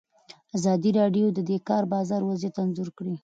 ازادي راډیو د د کار بازار وضعیت انځور کړی.